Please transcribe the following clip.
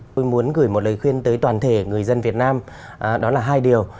tôi muốn gửi một lời khuyên tới toàn thể người dân việt nam đó là hai điều